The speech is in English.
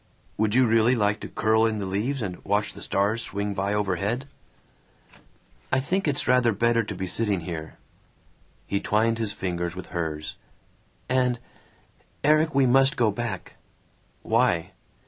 "Would you really like to curl in the leaves and watch the stars swing by overhead?" "I think it's rather better to be sitting here!" He twined his fingers with hers. "And Erik, we must go back." "Why?"